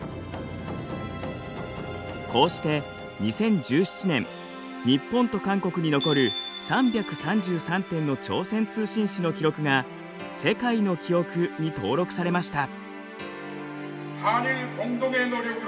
こうして２０１７年日本と韓国に残る３３３点の朝鮮通信使の記録が「世界の記憶」に登録されました。